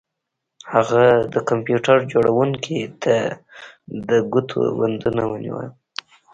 هغه د کمپیوټر جوړونکي د ګوتو بندونه ونیول